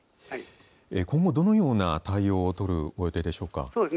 今後、どのような対応を取る、ご予定でしょうか。